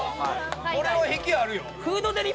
これは引きあるよ。